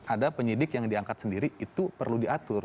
ada penyidik yang diangkat sendiri itu perlu diatur